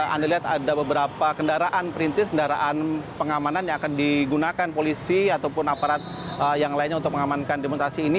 anda lihat ada beberapa kendaraan perintis kendaraan pengamanan yang akan digunakan polisi ataupun aparat yang lainnya untuk mengamankan demonstrasi ini